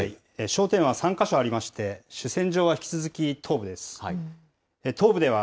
焦点は３か所ありまして、主戦場は引き続き東部です。